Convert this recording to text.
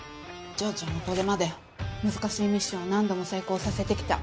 丈ちゃんはこれまで難しいミッションを何度も成功させてきた。